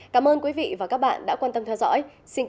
cảm ơn các bạn đã theo dõi